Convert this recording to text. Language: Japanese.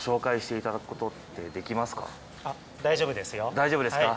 大丈夫ですか？